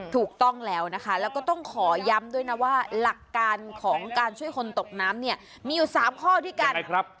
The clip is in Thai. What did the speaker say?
ถูกต้องแล้วนะคะแล้วก็ต้องขอย้ำด้วยนะว่าหลักการของการช่วยคนตกน้ำเนี่ยมีอยู่๓ข้อด้วยกัน